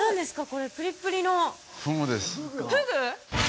これプリップリのフグ！？